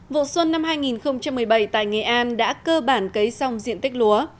vụ xuân năm hai nghìn một mươi bảy tại nghệ an đã cơ bản cấy xong diện tích lúa